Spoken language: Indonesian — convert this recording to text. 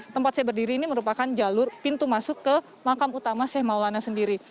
tempat saya berdiri ini merupakan jalur pintu masuk ke makam utama seh maulana sendiri